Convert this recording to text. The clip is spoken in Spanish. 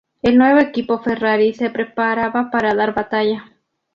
El nuevo equipo Ferrari se preparaba para dar batalla.